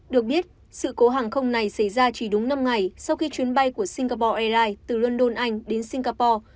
được biết sự cố hàng không này xảy ra chỉ đúng năm ngày sau khi chuyến bay của singapore airlines từ london anh đến singapore